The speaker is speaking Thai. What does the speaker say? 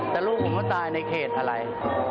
แต่ลูกผมก็ตายในเขตอะไร